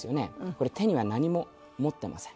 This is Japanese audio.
これ手には何も持っていません。